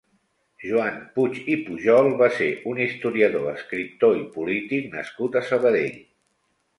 Joan Puig i Pujol va ser un historiador, escriptor i polític nascut a Sabadell.